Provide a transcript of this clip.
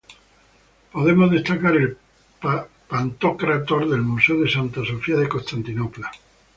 Podemos destacar el Pantocrátor del Museo de Santa Sofía de Constantinopla.